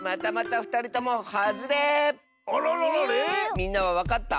みんなはわかった？